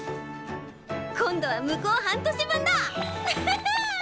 今度は向こう半年分だアハハ！